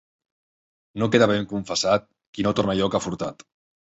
No queda ben confessat, qui no torna allò que ha furtat.